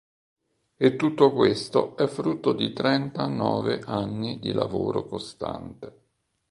E tutto questo è frutto di "trenta nove anni di lavoro costante".